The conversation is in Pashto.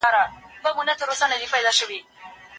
ولي د لري واټن زده کړه د حضوري ټولګیو په څیر ګړندۍ نه ده؟